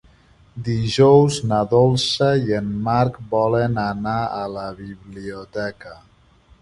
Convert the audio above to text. Dijous na Dolça i en Marc volen anar a la biblioteca.